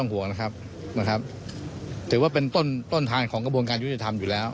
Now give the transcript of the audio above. ไหนก็ไหนแล้ว